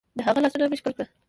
د هغه لاسونه مې ښکل کړل.